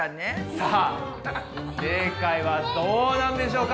さあ正解はどうなんでしょうか？